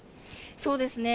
そうですね。